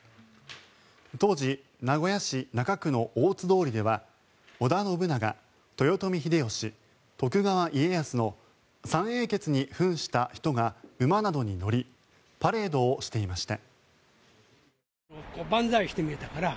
当時、名古屋市中区の大津通では織田信長、豊臣秀吉、徳川家康の三英傑に扮した人が馬などに乗りパレードをしていました。